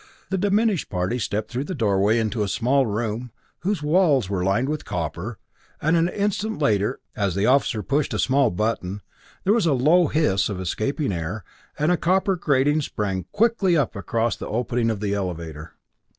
The diminished party stepped through the doorway into a small room whose walls were lined with copper, and an instant later, as the officer pushed a small button, there was a low hiss of escaping air, and a copper grating sprang quickly up across the opening of the elevator.